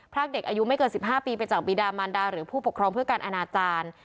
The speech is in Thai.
รากเด็กอายุไม่เกิน๑๕ปีไปจากบีดามันดาหรือผู้ปกครองเพื่อการอนาจารย์